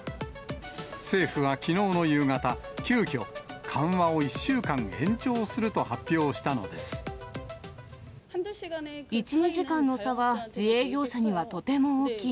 政府はきのうの夕方、急きょ、緩和を１週間延長すると発表した１、２時間の差は自営業者にはとても大きい。